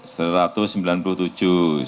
seratus sembilan puluh tujuh